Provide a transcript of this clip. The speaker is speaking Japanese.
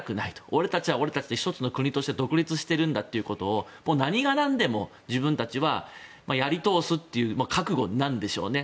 俺たちは俺たちで１つの国として独立してるんだってことを何がなんでも自分たちはやり通すという覚悟なんでしょうね。